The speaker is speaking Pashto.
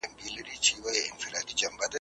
سرمی ایښی و درګا ته.